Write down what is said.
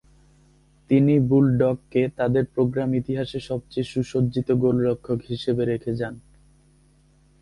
তিনি বুলডগকে তাদের প্রোগ্রাম ইতিহাসে সবচেয়ে সুসজ্জিত গোলরক্ষক হিসেবে রেখে যান।